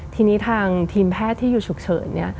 ทีนี้ทางทีมแพทย์ที่อยู่ฉุกเฉิน